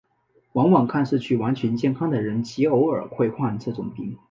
往往看上去完全健康的人极偶尔会患这种病。